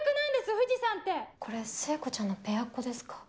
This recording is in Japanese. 藤さんって・これ聖子ちゃんのペアっ子ですか？